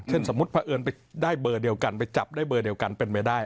สมมุติพระเอิญไปได้เบอร์เดียวกันไปจับได้เบอร์เดียวกันเป็นไปได้